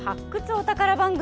お宝番組」。